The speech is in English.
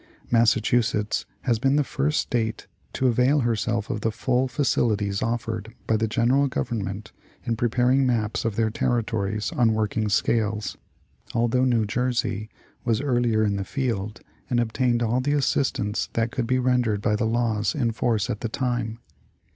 Massa chusetts has been the first State to avail herself of the full facili ties offered by the General Government in preparing maps of their territories on working scales, although New Jersey was earlier in the field and obtained all the assistance that could be rendered by the laws in force at the time.